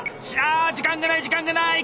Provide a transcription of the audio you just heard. あ時間がない時間がない！